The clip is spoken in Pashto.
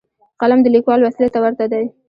قلم د لیکوال وسلې ته ورته دی